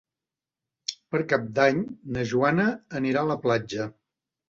Per Cap d'Any na Joana anirà a la platja.